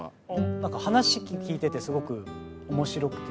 なんか話聞いててすごく面白くて。